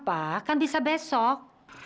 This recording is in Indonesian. pak kan bisa besok